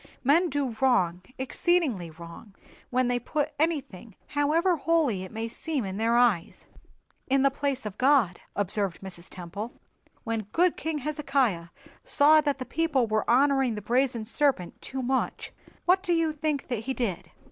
"Men do wrong, exceedingly wrong, when they put anything, however holy it may seem in their eyes, in the place of God," observed Mrs. Temple. "When good king Hezekiah saw that his people were honoring the brazen serpent too much, what do you think that he did?"